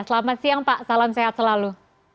selamat siang pak salam sehat selalu